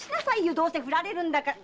どうせふられるんだから。